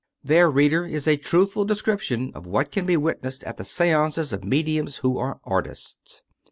There, reader, is a truthful description of what can be j witnessed at the seances of mediums who are artists.